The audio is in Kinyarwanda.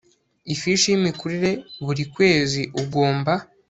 ifishi y'imikurire buru kwezi ugomba